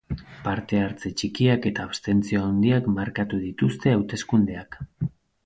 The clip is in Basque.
Parte-hartze txikiak eta abstentzio handiak markatu dituzte hauteskundeak.